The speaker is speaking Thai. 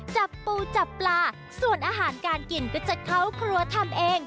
จับปูจับปลาส่วนอาหารการกินก็จะเข้าครัวทำเอง